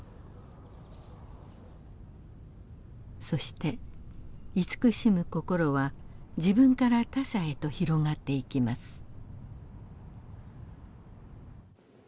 そして慈しむ心は自分から他者へと広がっていきます。